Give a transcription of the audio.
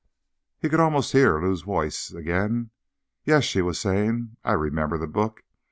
_ He could almost hear Lou's voice again. "Yes," she was saying. "I remember the book.